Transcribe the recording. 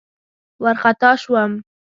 وارخطا شوم.